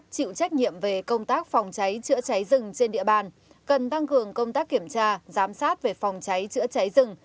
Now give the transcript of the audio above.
chịu trách nhiệm về công tác phòng cháy chữa cháy rừng trên địa bàn cần tăng cường công tác kiểm tra giám sát về phòng cháy chữa cháy rừng